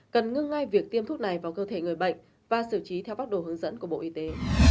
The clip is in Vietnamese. cần ngưng ngay việc tiêm thuốc này vào cơ thể người bệnh và xử trí theo pháp đồ hướng dẫn của bộ y tế